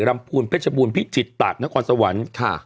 รำพูนเพชบูนพิจิตรตากนครสวรรค์ค่ะ